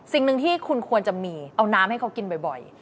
สิ่งหนึ่งที่คุณควรจะมีเอาน้ำให้เขากินบ่อย